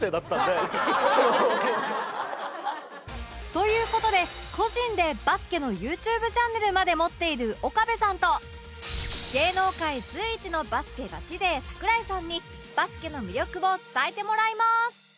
という事で個人でバスケの ＹｏｕＴｕｂｅ チャンネルまで持っている岡部さんと芸能界随一のバスケガチ勢桜井さんにバスケの魅力を伝えてもらいます